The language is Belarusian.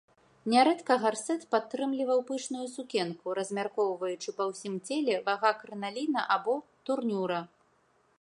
Нярэдка гарсэт падтрымліваў пышную сукенку, размяркоўваючы па ўсім целе вага крыналіна або турнюра.